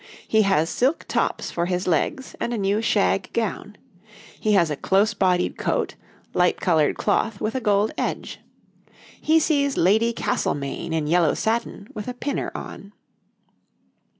He has silk tops for his legs and a new shag gown. He has a close bodied coat, light coloured cloth with a gold edge. He sees Lady Castlemaine in yellow satin with a pinner on.